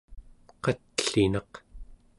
qatlinaq